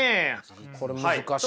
これ難しいよな。